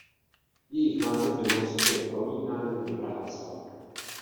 Jejich název demonstruje prolínání dobra a zla.